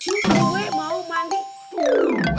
lu gue mau mandi tuh